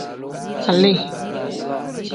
Kpali.